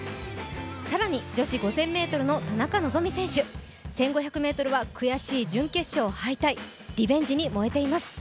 更に女子５０００ｍの田中希実選手、１５００ｍは悔しい準決勝敗退、リベンジに燃えています。